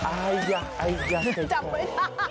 อายาอายาเถอะพ่อจับไม่ได้